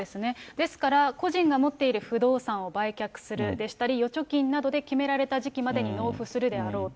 ですから個人が持っている不動産を売却するでしたり、預貯金などで決められた時期までに納付するであろうと。